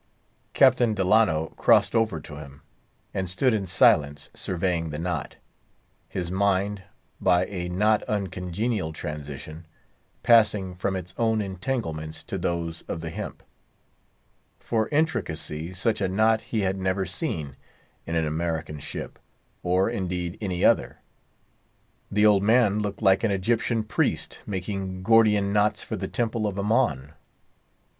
Captain Delano crossed over to him, and stood in silence surveying the knot; his mind, by a not uncongenial transition, passing from its own entanglements to those of the hemp. For intricacy, such a knot he had never seen in an American ship, nor indeed any other. The old man looked like an Egyptian priest, making Gordian knots for the temple of Ammon.